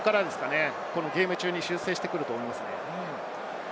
ゲーム中に修正してくると思います。